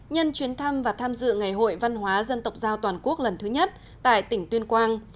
nhân chuyến thăm và tham dự ngày hội văn hóa dân tộc giao toàn quốc lần thứ nhất tại tỉnh tuyên quang